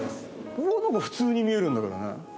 俺はなんか普通に見えるんだけどね。